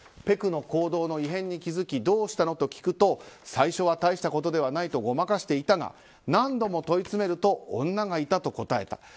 ペクの行動の異変に気づきどうしたのと聞くと最初は、大したことではないとごまかしていたが何度も問い詰めると女がいたと答えた。